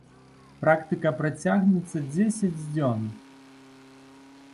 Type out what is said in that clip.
Практыка працягнецца дзесяць дзён.